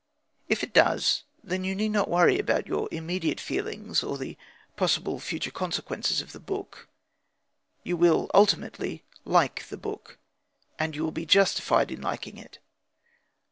If it does, then you need not worry about your immediate feelings, or the possible future consequences of the book. You will ultimately like the book, and you will be justified in liking it.